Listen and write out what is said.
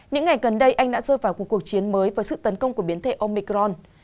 những ngày gần đây anh đã rơi vào một cuộc chiến mới với sự tấn công của biến thể omicron